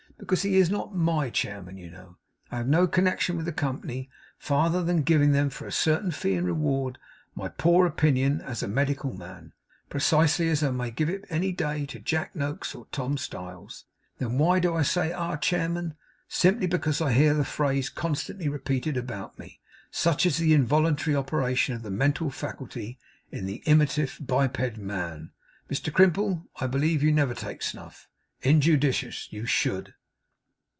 Because he is not MY chairman, you know. I have no connection with the company, farther than giving them, for a certain fee and reward, my poor opinion as a medical man, precisely as I may give it any day to Jack Noakes or Tom Styles. Then why do I say our chairman? Simply because I hear the phrase constantly repeated about me. Such is the involuntary operation of the mental faculty in the imitative biped man. Mr Crimple, I believe you never take snuff? Injudicious. You should.